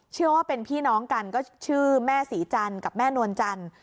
เชื่อว่าเป็นพี่น้องกันก็ชื่อแม่ศรีจันทร์กับแม่นวลจันทร์